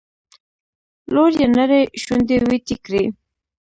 لور يې نرۍ شونډې ويتې کړې.